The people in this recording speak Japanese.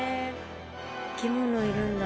生き物いるんだ。